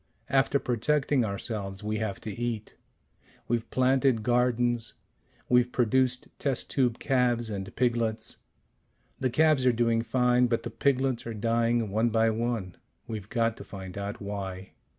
After protecting ourselves we have to eat. We've planted gardens. We've produced test tube calves and piglets. The calves are doing fine, but the piglets are dying one by one. We've got to find out why.